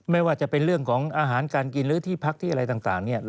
ไม่ว่าจะเป็นเรื่องของอาหารการกินหรือที่พักที่อะไรต่างเนี่ย